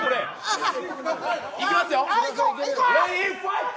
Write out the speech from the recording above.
いきますよ。